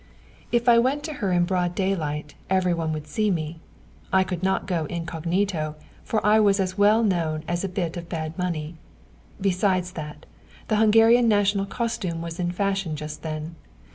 If I went to her in broad daylight, every one would see me. I could not go incognito, for I was as well known as a bit of bad money. Besides that, the Hungarian national costume was in fashion just then.